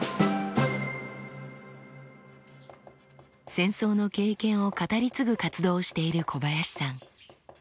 戦争の経験を語り継ぐ活動をしている小林さん。